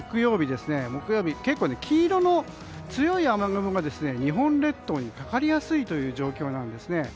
木曜日は結構、黄色の強い雨雲が日本列島にかかりやすいという状況です。